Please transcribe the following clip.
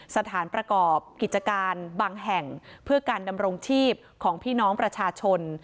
สถานประกอบกิจการบางแห่งเพื่อการดำรงชีพของพี่น้องประชาชน